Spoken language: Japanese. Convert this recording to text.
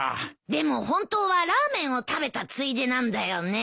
でも本当はラーメンを食べたついでなんだよね？